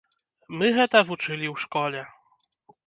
Мы гэта вучылі ў школе.